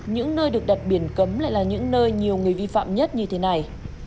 những nơi được đặt biển cấm lại là những nơi nhiều người vi phạm nhất như thế này